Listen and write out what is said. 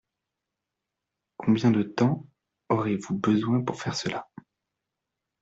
Combien de temps aurez-vous besoin pour faire cela ?